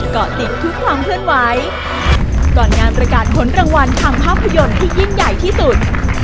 เกาะติดทุกความเคลื่อนไหวก่อนงานประกาศผลรางวัลทางภาพยนตร์ที่ยิ่งใหญ่ที่สุด